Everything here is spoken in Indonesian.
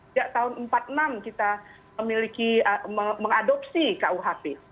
sejak tahun empat puluh enam kita memiliki mengadopsi kuhp